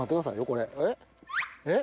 これえっ。